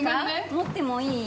持ってもいい？